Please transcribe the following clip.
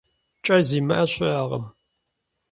КӀэ зимыӀэ щыӀэкъым.